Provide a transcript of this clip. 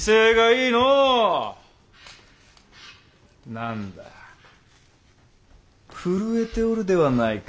何だ震えておるではないか。